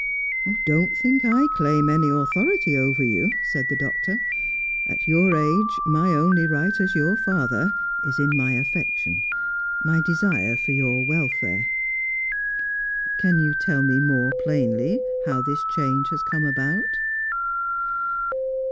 "Don't think I claim any authority over you," said the Doctor. "At your age, my only right as your father is in my affection, my desire for your welfare, Can you tell me more plainly how this change has come about?"